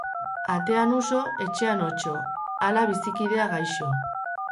Atean uso, etxean otso; hala bizikidea, gaixo.